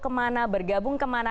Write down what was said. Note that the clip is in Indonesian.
kemana bergabung kemana